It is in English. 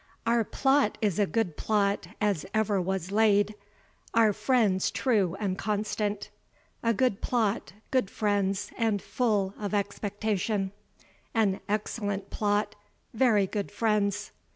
Our plot is a good plot as ever was laid; our friends true and constant: a good plot, good friends, and full of expectation: an excellent plot, very good friends.